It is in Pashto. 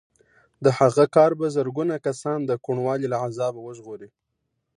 د هغه کار به زرګونه کسان د کوڼوالي له عذابه وژغوري